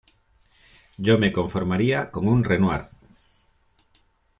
Yo me conformaría con un Renoir".